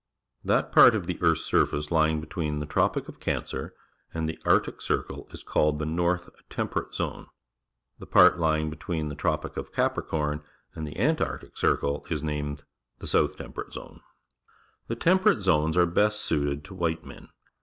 That part of the earth's sui'face lying between the Tropic of Cancer and the Arctic Circle is called the North Temperate Zone. The part lying between the Tropic of Capricorn and the Antarctic Circle is named the South Temverate Zone. The tempeiate zones are best suited to white men.